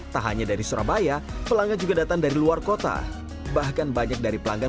tak hanya dari surabaya pelanggan juga datang dari luar kota bahkan banyak dari pelanggan